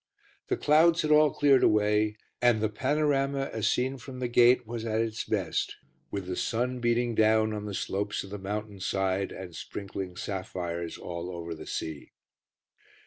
The clouds had all cleared away and the panorama, as seen from the gate, was at its best with the sun beating down on the slopes of the mountain side and sprinkling sapphires all over the sea.